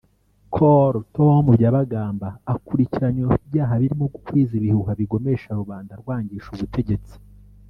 Col Tom Byabagamba akurikiranyweho ibyaha birimo gukwiza ibihuha bigomesha rubanda arwangisha ubutegetsi